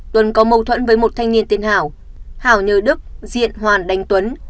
tuấn có mâu thuẫn với một thanh niên tên hảo hảo nhớ đức diện hoàn đánh tuấn